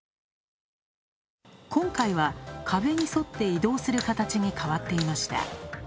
今回は壁に沿って移動する形に変わっていました。